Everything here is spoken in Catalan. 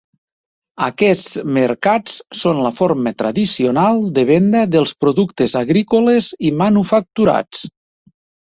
Aquests mercats són la forma tradicional de venda dels productes agrícoles i manufacturats.